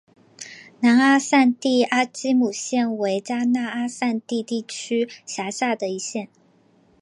南阿散蒂阿基姆县为迦纳阿散蒂地区辖下的一县。